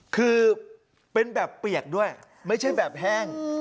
คือเป็นแบบเปียกด้วยไม่ใช่แบบแห้ง